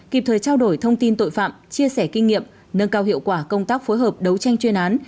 kịp thời trao đổi thông tin tội phạm chia sẻ kinh nghiệm nâng cao hiệu quả công tác phối hợp đấu tranh chuyên án